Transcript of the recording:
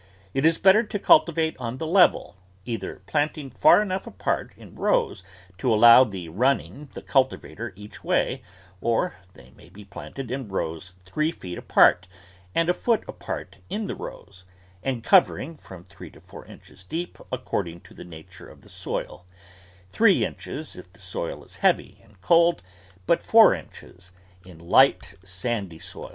It is better to cultivate on the level, either planting far enough apart in the rows to allow of running the cultivator each way, or they may be planted in rows three feet apart and a foot apart in the rows, and covering from three to four inches deep according to the nature of the soil; three inches if the soil is heavy and cold, but four inches in light, sandy soil.